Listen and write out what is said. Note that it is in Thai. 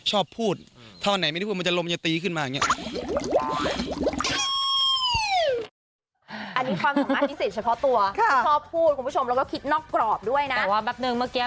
ชอบพูดถ้าวันไหนไม่ได้พูดมันจะลมนิวตีขึ้นมาอย่างนี้